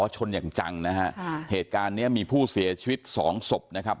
ชนอย่างจังนะฮะค่ะเหตุการณ์เนี้ยมีผู้เสียชีวิตสองศพนะครับ